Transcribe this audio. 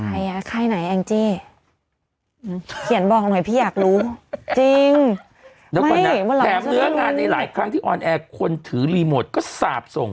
ใครอ่ะใครไหนแองจี้เขียนบอกหน่อยพี่อยากรู้จริงไม่แต่เมื่องานในหลายครั้งที่ออนแอร์ควรถือรีโมทก็สาปส่ง